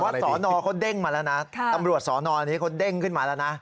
สอนอเขาเด้งมาแล้วนะตำรวจสอนอนี้เขาเด้งขึ้นมาแล้วนะ